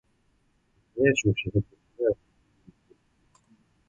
אחרי שהוא שירת כטייס בחיל האוויר